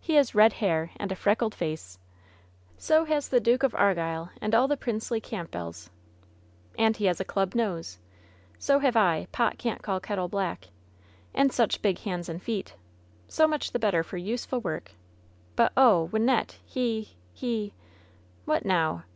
He has red hair and a freckled face ^^ "So has the Duke of Argyll and all the princely Campbells !" "And he has a club nose I" "So have I. Tot can't call kettle black.' '' "And such big hands and feet ^^ "So much the better for useful worf "But, oh! Wynnette, he— he '' 'What now?"